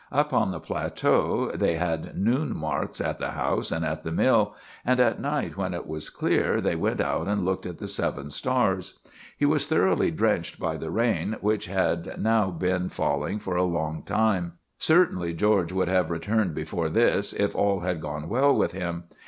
Up on the plateau they had noon marks at the house and at the mill, and at night, when it was clear, they went out and looked at the seven stars. He was thoroughly drenched by the rain, which had now been falling for a long time. Certainly George should have returned before this, if all had gone well with him.